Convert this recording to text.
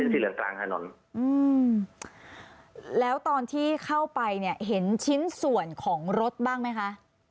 ที่เหลืองกลางถนนอืมแล้วตอนที่เข้าไปเนี่ยเห็นชิ้นส่วนของรถบ้างไหมคะ